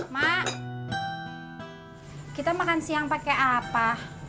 mak kita makan siang pakai apa